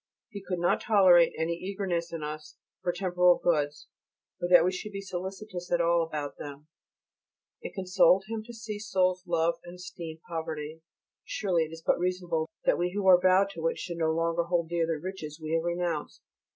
He could not tolerate any eagerness in us for temporal goods, or that we should be solicitous at all about them. It consoled him to see souls love and esteem poverty. Surely it is but reasonable that we who are vowed to it should no longer hold dear the riches we have renounced.